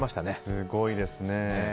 すごいですね。